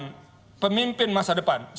di jajaran eksekutif